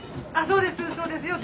そうですそうです。